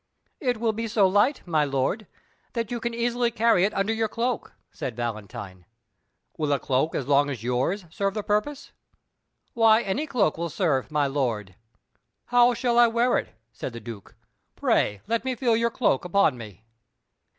"It will be so light, my lord, that you can easily carry it under your cloak," said Valentine. "Will a cloak as long as yours serve the purpose?" "Why, any cloak will serve, my lord." "How shall I wear it?" said the Duke. "Pray let me feel your cloak upon me."